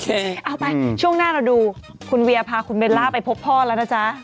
เอาไปช่วงหน้าเราดูคุณเวียพาคุณเบลล่าไปพบพ่อแล้วนะจ๊ะ